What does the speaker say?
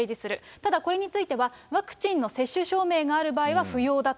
ただ、これについては、ワクチンの接種証明がある場合は不要だと。